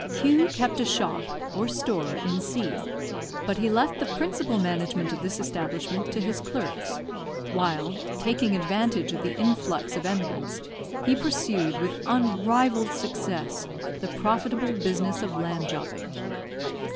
Q kept a shop, or store, in C ; but he left the principal management of this establishment to his clerks; while, taking advantage of the influx of emigrants, he pursued, with unrivalled success, the profitable business of land jobbing.